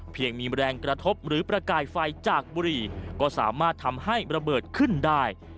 ยังมีแรงกระทบหรือประกายไฟจากบุรีก็สามารถทำให้ระเบิดขึ้นได้